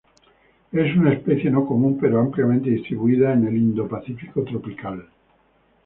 Es una especie no común, pero ampliamente distribuida en el Indo-Pacífico tropical.